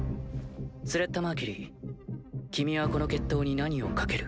スレッタ・マーキュリー君はこの決闘に何を賭ける？